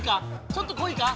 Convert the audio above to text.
ちょっとこいか？